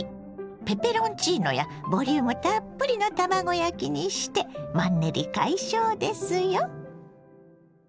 ペペロンチーノやボリュームたっぷりの卵焼きにしてマンネリ解消ですよ。